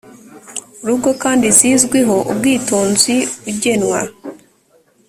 rugo kandi zizwiho ubwitonzi ugenwa